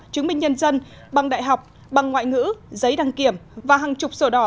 chứng minh nhân dân bằng đại học bằng ngoại ngữ giấy đăng kiểm và hàng chục sổ đỏ